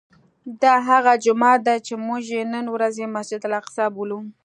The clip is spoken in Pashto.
دا هغه جومات دی چې موږ یې نن ورځ مسجد الاقصی بولو.